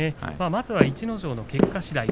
まずは逸ノ城の結果しだい。